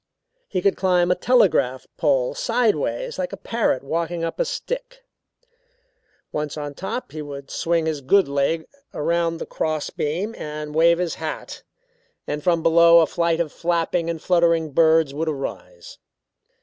He could climb a telegraph pole sideways like a parrot walking up a stick. Once on top he would swing his good leg around the cross beam and wave his hat and from below a flight of flapping and fluttering birds would arise.